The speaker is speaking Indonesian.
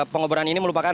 pengoboran ini melupakan